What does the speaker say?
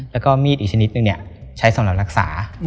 แล้วก็มีดอีกชนิดหนึ่งใช้สำหรับรักษา